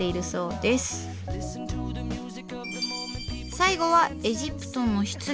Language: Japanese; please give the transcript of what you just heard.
最後はエジプトの棺。